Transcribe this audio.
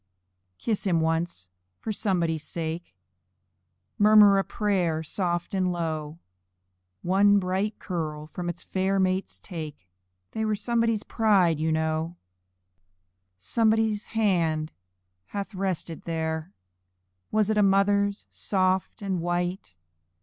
Kiss him once for somebody's sake, Murmur a prayer soft and low One bright curl from its fair mates take They were somebody's pride you know. Somebody's hand hath rested there; Was it a mother's, soft and white?